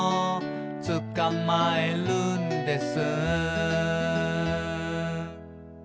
「つかまえるんです」